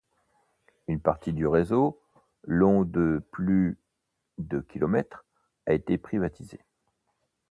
Une partie du réseau, long de plus de kilomètres, a été privatisée.